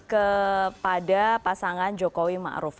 kepada pasangan jokowi ma'ruf